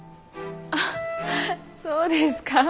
あっそうですか？